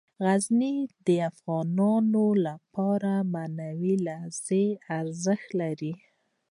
غزني د افغانانو لپاره په معنوي لحاظ ارزښت لري.